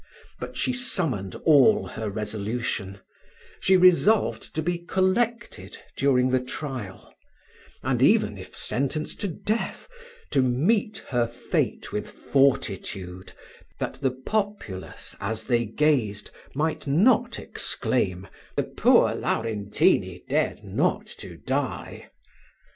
But she summoned all her resolution she resolved to be collected during the trial; and even, if sentenced to death, to meet her fate with fortitude, that the populace, as they gazed, might not exclaim "The poor Laurentini dared not to die."